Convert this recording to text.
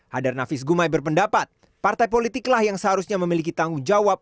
hadar nafis gumai berpendapat partai politiklah yang seharusnya memiliki tanggung jawab